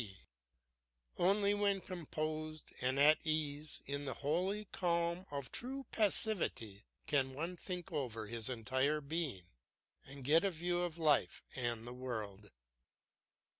Only when composed and at ease in the holy calm of true passivity can one think over his entire being and get a view of life and the world.